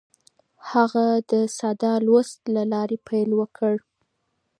هغه د ساده لوست له لارې پیل وکړ.